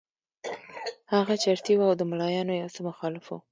هغه چرسي وو او د ملایانو یو څه مخالف وو.